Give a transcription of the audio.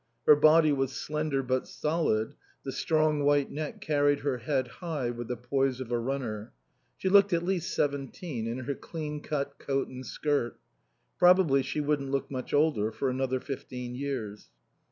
Her body was slender but solid; the strong white neck carried her head high with the poise of a runner. She looked at least seventeen in her clean cut coat and skirt. Probably she wouldn't look much older for another fifteen years.